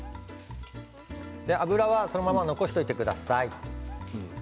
油はそのまま残しておいてください。